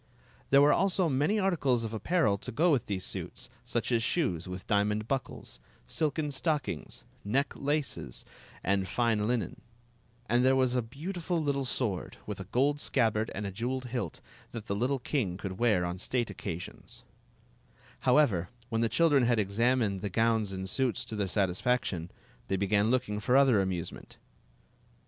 There were also many articles of apparel to go with these suits, such as shoes with diamond buckles, silken stockings, neck lacef^ and fine linen ; and there was a beautiful little sword, with a gold scabbard and a jeweled hilt, that the little king could wear on state occasions However, when the children had examined the gowns and suits to their satisfaction, they began look ing for other amusement.